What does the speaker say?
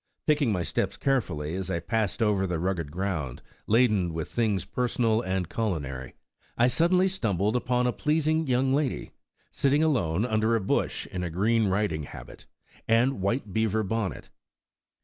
Picking my steps carefully, as I passed over the rugged ground, laden with things personal and culinary, I suddenly stumbled upon a pleasing young lady, sitting alone under a bush in a green riding habit, and white beaver bonnet.